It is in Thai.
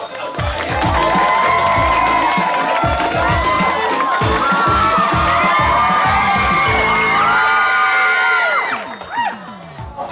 โอ้โฮ